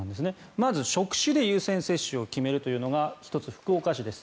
まず、職種で優先接種を決めるというのが１つ、福岡市です。